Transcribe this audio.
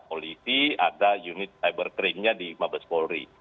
polisi ada unit cyber cream nya di mabes polri